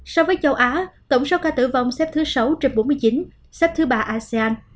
so với châu á tổng số ca tử vong xếp thứ sáu trên bốn mươi chín xếp thứ ba asean